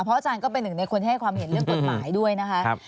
อาจารย์ก็เป็นหนึ่งในคนที่ให้ความเห็นเรื่องกฎหมายด้วยนะคะ